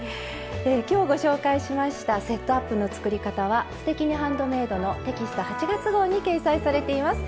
今日ご紹介しました「セットアップ」の作り方は「すてきにハンドメイド」のテキスト８月号に掲載されています。